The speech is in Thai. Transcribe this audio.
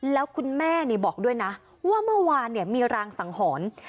แล้วคุณแม่บอกด้วยนะว่าเมื่อวานมีรางสังหรณ์